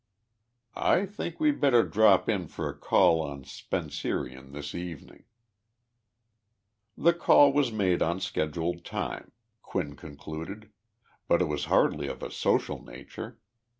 I think we better drop in for a call on 'Spencerian' this evening." "The call was made on scheduled time," Quinn concluded, "but it was hardly of a social nature.